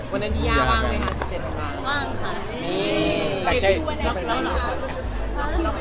มียาว่าไงคะ๔๗๐๐๐คอนดูกว่า